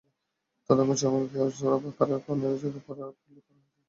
তন্মধ্যে কেবল সূরা বাকারায় পনের জায়গায় তার উল্লেখ করা হয়েছে।